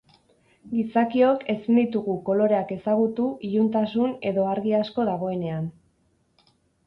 Gizakiok ezin ditugu koloreak ezagutu iluntasun edo argi asko dagoenean.